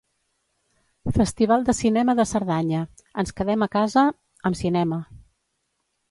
Festival de Cinema de Cerdanya: ens quedem a casa... amb cinema.